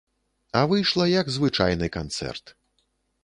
А выйшла, як звычайны канцэрт.